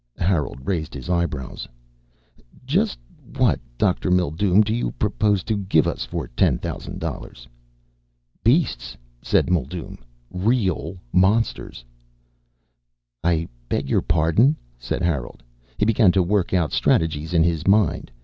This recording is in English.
Harold raised his eyebrows. "Just what, Dr. Mildume, do you propose to give us for ten thousand dollars?" "Beasts," said Mildume. "Real monsters." "I beg your pardon?" said Harold. He began to work out strategies in his mind.